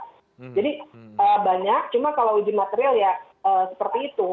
jadi banyak cuma kalau uji material ya seperti itu